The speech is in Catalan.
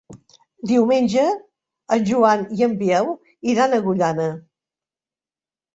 Diumenge en Joan i en Biel iran a Agullana.